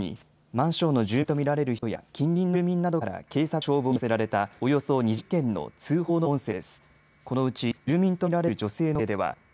マンションの住民と見られる人や近隣の住民などから警察や消防に寄せられたおよそ２０件の通報の音声です。